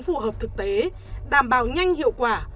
phù hợp thực tế đảm bảo nhanh hiệu quả